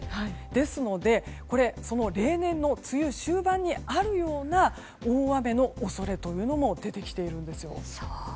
ですので、これ例年の梅雨終盤にあるような大雨の恐れも出てきているんですよ。